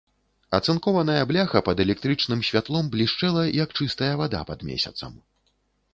Ацынкованая бляха пад электрычным святлом блішчэла, як чыстая вада пад месяцам.